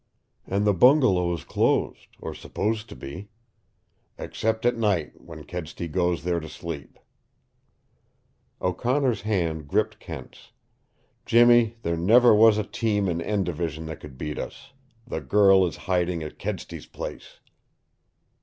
"And the bungalow is closed, or supposed to be." "Except at night, when Kedsty goes there to sleep." O'Connor's hand gripped Kent's. "Jimmy, there never was a team in N Division that could beat us, The girl is hiding at Kedsty's place!"